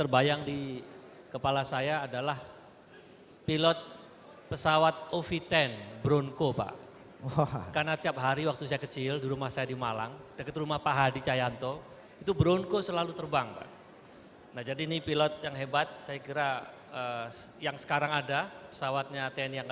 bapak kepala spagum untuk menyerahkan penghargaan kepada para pemenang